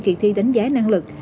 kỳ thi đánh giá năng lực